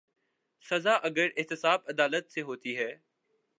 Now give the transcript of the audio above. سزا اگر احتساب عدالت سے ہوتی ہے۔